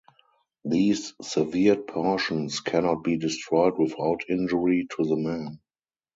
These severed portions cannot be destroyed without injury to the man.